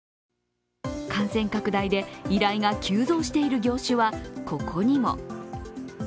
感染拡大で依頼が急増している業種はここにも。